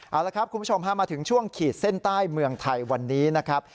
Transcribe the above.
เอาละครับคุณผู้ชมพามาถึงช่วงขีดเส้นใต้เมืองไทยวันนี้นะครับ